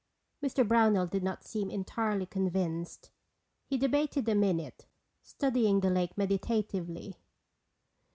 Mr. Brownell did not seem entirely convinced. He debated a minute, studying the lake meditatively.